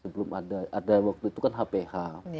belum ada ada waktu itu kan hph